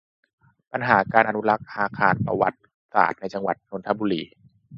ปัญหาการอนุรักษ์อาคารประวัติศาสตร์ ในจังหวัดนนทบุรี